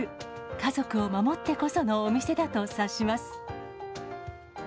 家族を守ってこそのお店だと察します。